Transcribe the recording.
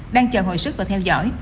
đang chờ hồi sức và theo dõi